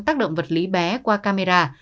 tác động vật lý bé qua camera